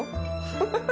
フフフ。